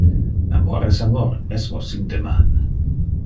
Amor es amor mesmo sin deman.